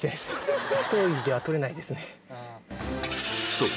そう！